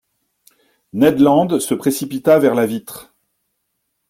Ned Land se précipita vers la vitre.